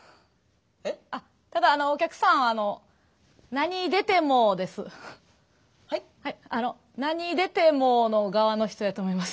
「何出ても」の側の人やと思います。